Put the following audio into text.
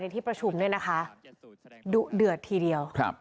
อยู่ในการอภิปรายในที่ประชุมดุเดือดทีเดียว